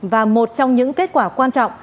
và một trong những kết quả quan trọng